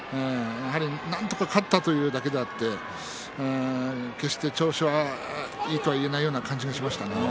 なんとか勝ったというだけであって決して調子はいいとは言えないような感じがしましたね。